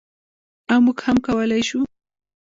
او موږ هم کولی شو.